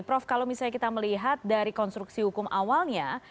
prof kalau misalnya kita melihat dari konstruksi hukum awalnya